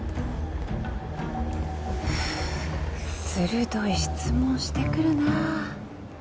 鋭い質問してくるなあ。